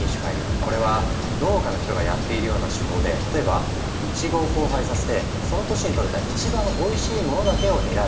これは農家の人がやっているような手法で例えばイチゴを交配させてその年にとれた一番おいしいものだけを選び